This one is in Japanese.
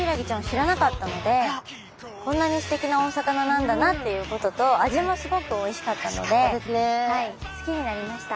知らなかったのでこんなにすてきなお魚なんだなっていうことと味もすごくおいしかったので好きになりました。